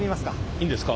いいんですか？